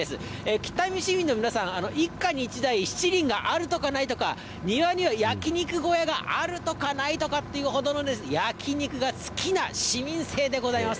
北見市民の皆さん、一家に一台、しちりんがあるとかないとか、庭には焼き肉小屋があるとかないとかっていうほどの、焼き肉が好きな市民性でございます。